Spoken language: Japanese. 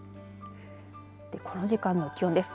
この時間の気温です。